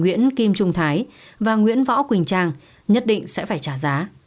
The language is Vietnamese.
nguyễn kim trung thái và nguyễn võ quỳnh trang nhất định sẽ phải trả giá